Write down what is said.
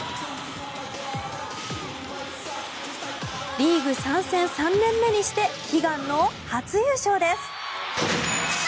リーグ参戦３年目にして悲願の初優勝です。